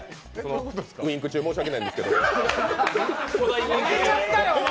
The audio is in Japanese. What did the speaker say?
ウインク中申し訳ないんですけど。